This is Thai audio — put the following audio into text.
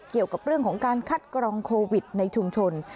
เกี่ยวกับเรื่องของการคัดกรองโควิดในชุมชน